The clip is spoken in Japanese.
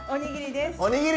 おにぎり！